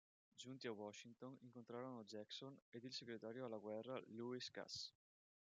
Giunti a Washington incontrarono Jackson ed il segretario alla guerra Lewis Cass.